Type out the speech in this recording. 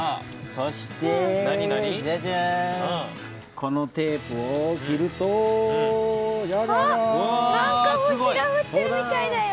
このテープを切るとなんか星がふってるみたいだよ。